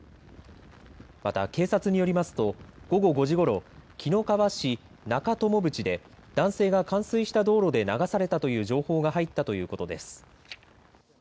また警察によりますと午後５時ごろ、紀の川市中鞆渕で男性が冠水した道路で流されたという情報が入ったということです。